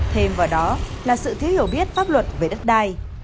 thêm vào đó là sự thiếu hiểu biết pháp luật về đất đai